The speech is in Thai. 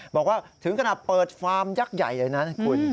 บอกว่าถึงขนาดเปิดฟาร์มยักษ์ใหญ่เลยนะคุณ